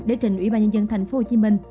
để trình ủy ban nhân dân thành phố hồ chí minh